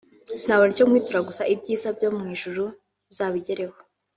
sinabona icyo nkwitura gusa Ibyiza byo mu ijuru uzabigereho